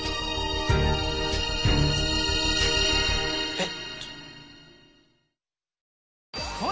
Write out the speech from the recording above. えっ？